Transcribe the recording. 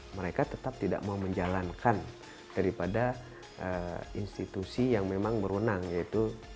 mereka tetap tidak mau menjalankan daripada institusi yang memang berwenang yaitu